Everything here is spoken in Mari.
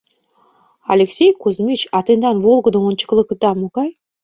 — Алексей Кузьмич, а тендан волгыдо ончыклыкда могай?